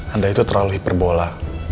anda itu terlalu hiperbola